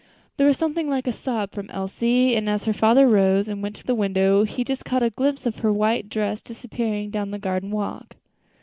There was something like a sob from Elsie; and as her father rose and went to the window, he just caught a glimpse of her white dress disappearing down the garden walk.